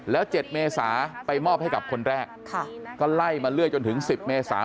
แล้ว๗เมษาไปมอบให้กับคนแรกก็ไล่มาเรื่อยจนถึง๑๐เมษา